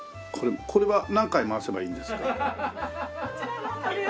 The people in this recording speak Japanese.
これは何回回せばいいんですか？